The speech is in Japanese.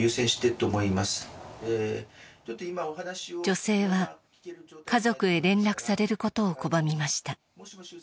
女性は家族へ連絡されることを拒みました。